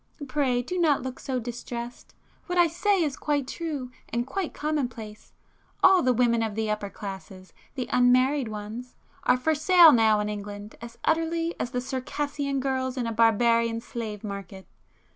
Pray do not look so distressed!—what I say is quite true and quite commonplace,—all the women of the upper classes,—the [p 201] unmarried ones,—are for sale now in England as utterly as the Circassian girls in a barbarian slave market.